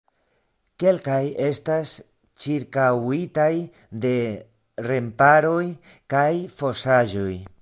Kelkaj estas ĉirkaŭitaj de remparoj kaj fosaĵoj.